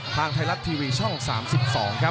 ทางไทยรัฐทีวีช่อง๓๒ครับ